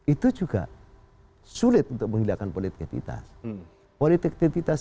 itu juga sulit untuk diperhatikan